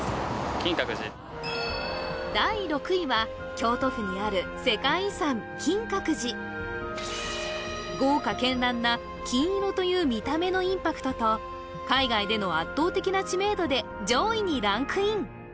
京都府にある豪華絢爛な金色という見た目のインパクトと海外での圧倒的な知名度で上位にランクイン